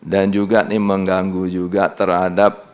dan juga ini mengganggu juga terhadap